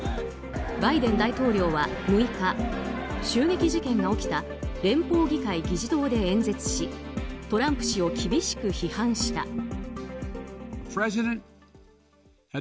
バイデン大統領は６日襲撃事件が起きた連邦議会議事堂で演説しトランプ氏を厳しく批判した。